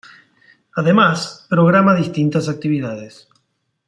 Además, programa distintas actividades.